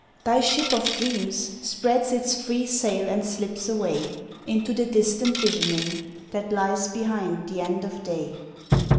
Thy Ship of Dreams Spreads its free sail and slips away Into the distant visioning That lies behind the end of day.